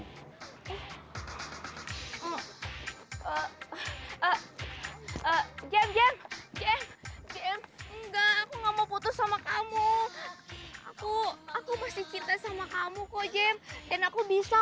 jem jem jem jem enggak mau putus sama kamu aku aku masih kita sama kamu kok jem dan aku bisa